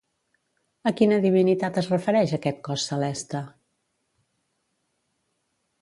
A quina divinitat es refereix aquest cos celeste?